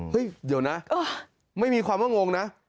เดี๋ยวนะไม่มีความว่างงนะ